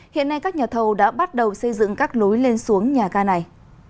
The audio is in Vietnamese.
hiện nay các nhà thầu đã bắt đầu xây dựng các lối lên xuống nhà ga này